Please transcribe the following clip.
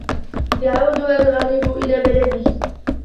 يَعُودُ الْغَرِيبُ إِلَى بَلَدِهِ.